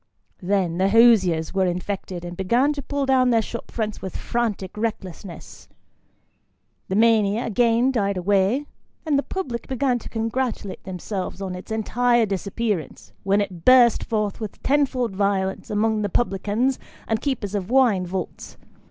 Then, the hosiers were infected, and began to pull down their shop fronts with frantic recklessness. The mania again died away, and the public began to congratulate themselves on its entire disappearance, when it burst forth with ten fold violence among the publicans, and keepers of "wine vaults."